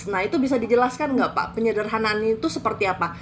nah itu bisa dijelaskan nggak pak penyederhanaannya itu seperti apa